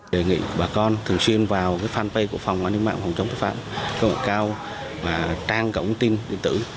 đề nghị bà con thường xuyên vào fanpage của phòng an ninh mạng phòng chống tội phạm cơ hội cao và trang cộng tin điện tử